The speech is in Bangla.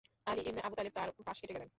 আলী ইবনে আবু তালেব তার পাশ কেটে গেলেন।